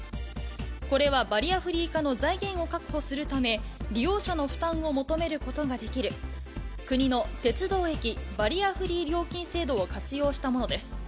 これはバリアフリー化の財源を確保するため、利用者の負担を求めることができる、国の鉄道駅バリアフリー料金制度を活用したものです。